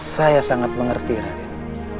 saya sangat mengerti raden